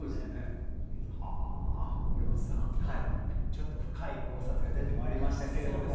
ちょっと深い考察が出てまいりましたけれども。